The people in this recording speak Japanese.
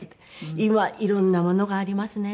今いろんなものがありますね。